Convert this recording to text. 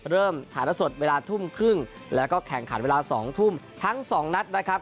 เริ่มถ่ายละสดเวลาทุ่มครึ่งแล้วก็แข่งขันเวลาสองทุ่มทั้งสองนัดนะครับ